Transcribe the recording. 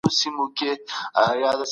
هغه په پښتو ژبي ليک کوي.